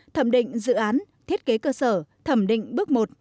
thẩm định dự án thiết kế cơ sở thẩm định bước một